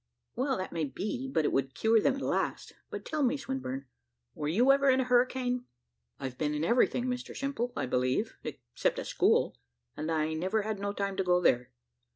"Well, that may be, but it would cure them at last. But tell me, Swinburne, were you ever in a hurricane?" "I've been in everything, Mr Simple, I believe, except a school, and I never had no time to go there.